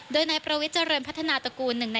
โดยในประวิจารณ์พัฒนาตระกูล